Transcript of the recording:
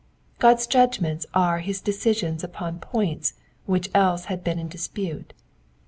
God^s judgments are his decisions upon points which else had been in dispute.